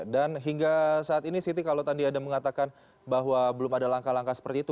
dan hingga saat ini siti kalau tadi anda mengatakan bahwa belum ada langkah langkah seperti itu